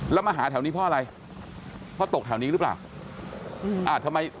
แล้วมาหาแถวนี้เพราะอะไรเพราะตกแถวนี้หรือเปล่าทำไม